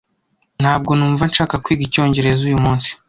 Ntabwo numva nshaka kwiga icyongereza uyumunsi.